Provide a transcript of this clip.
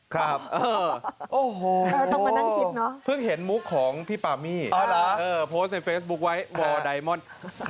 ครับโอ้โหพึ่งเห็นมุกของพี่ปามี่โพสต์ในเฟซบุ๊คไว้วอร์ไดมอนด์